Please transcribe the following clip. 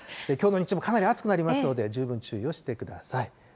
きょうの日中もかなり暑くなりますので、十分注意をしてください。